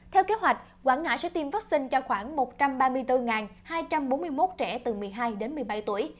theo kế hoạch quảng ngãi sẽ tiêm vaccine cho khoảng một trăm ba mươi bốn hai trăm bốn mươi một trẻ từ một mươi hai đến một mươi bảy tuổi